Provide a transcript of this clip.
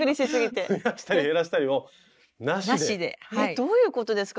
どういうことですか？